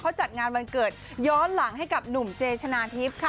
เขาจัดงานวันเกิดย้อนหลังให้กับหนุ่มเจชนะทิพย์ค่ะ